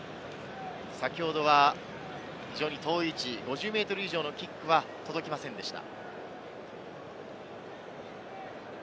先ほどは非常に遠い位置、５０ｍ以上のキックは届きませんでした。